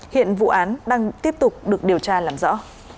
hiện vụ án đang tiếp tục được điều tra làm rõ